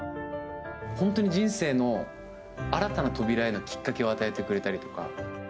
本当に人生の新たな扉へのきっかけを与えてくれたりとか。